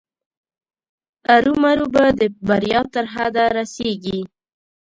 ارومرو به د بریا تر سرحده رسېږي.